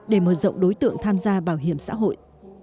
để mở rộng đối tượng tham gia bảo hiểm xã hội